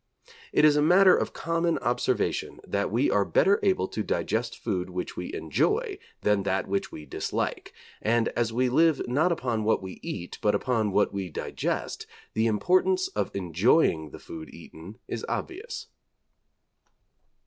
It is a matter of common observation that we are better able to digest food which we enjoy than that which we dislike, and as we live not upon what we eat, but upon what we digest, the importance of enjoying the food eaten is obvious.